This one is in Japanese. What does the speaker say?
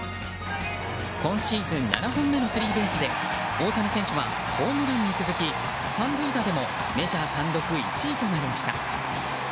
今シーズン７本目のスリーベースで大谷選手はホームランに続き３塁打でもメジャー単独１位となりました。